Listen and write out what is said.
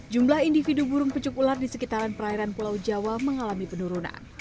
jumlah individu burung pecuk ular di sekitaran perairan pulau jawa mengalami penurunan